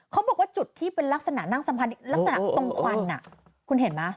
เขาบอกว่าจุดที่เป็นลักษณะนั่งสัมพันธ์ลักษณะตรงควันคุณเห็นไหม